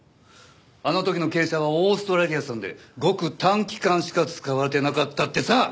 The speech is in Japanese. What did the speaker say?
あの時の珪砂はオーストラリア産でごく短期間しか使われてなかったってさ！